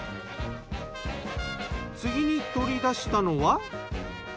次に取り出したのは。